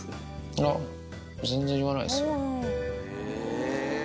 いや、全然言わないですよ。